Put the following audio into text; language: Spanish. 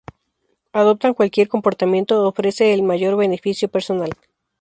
Adoptan cualquier comportamiento ofrece el mayor beneficio personal.